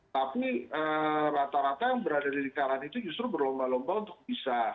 tapi rata rata yang berada di lingkaran itu justru berlomba lomba untuk bisa